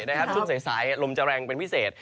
ช่วงสายลมจะแรงเป็นพิเศษ